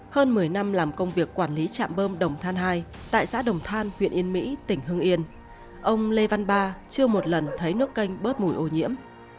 hơn một mươi năm làm công việc quản lý trạm bơm đồng than hai tại xã đồng than huyện yên mỹ tỉnh hương yên ông lê văn ba chưa một lần thấy nước canh bớt mùi ô nhiễm